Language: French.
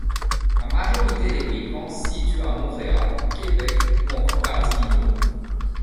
La majorité des Wiccans se situent à Montréal, Québec ou encore Gatineau.